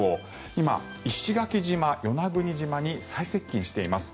今、石垣島、与那国島に最接近しています。